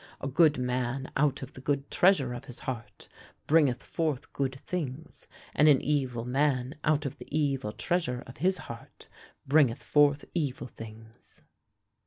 A good man out of the good treasure of his heart bringeth forth good things, and an evil man out of the evil treasure of his heart bringeth forth evil things.'